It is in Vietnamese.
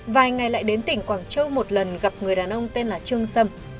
vài ngày lại đến tỉnh quảng châu một lần gặp người đàn ông tên là trương sâm